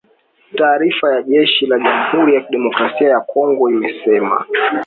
Taarifa ya jeshi la Jamhuri ya kidemokrasia ya Kongo imesema.